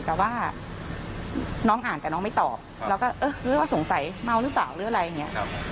แต่ว่าน้องอ่านแต่น้องไม่ตอบเราก็เออหรือว่าสงสัยเมาหรือเปล่าหรืออะไรอย่างนี้